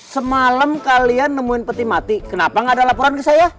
semalam kalian nemuin peti mati kenapa nggak ada laporan ke saya